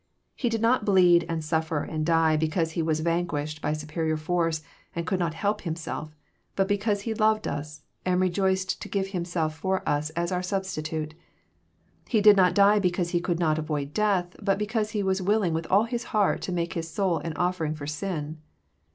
He did not bleed and 324 EXFOSITORT THOUGHTS. miffer and die because He was vanqnished by snpenor force, and could not help Himself, bat because He loved ns, and rejoiced to give Himself for us as our Substitute. He did not die because He could not avoid death, but because He was willing with all His heart to make His soul an offering for sin.